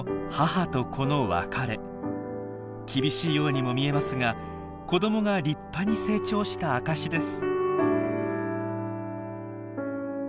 厳しいようにも見えますが子どもが立派に成長した証しです。